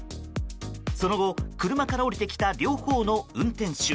その後、車から降りてきた両方の運転手。